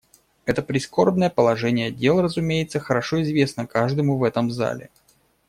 Это прискорбное положение дел, разумеется, хорошо известно каждому в этом зале.